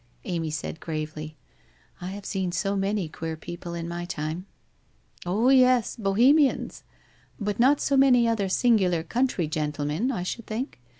Amy said gravely, ' I have seen so many queer people in my time/ ' Oh, yes, Bohemians. But not so many other singular country gentlemen, I should think?'